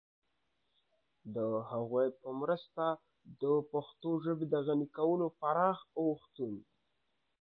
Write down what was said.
د هغوی په مرسته د پښتو ژبې د غني کولو پراخ اوښتون